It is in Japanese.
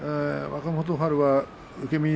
若元春は受け身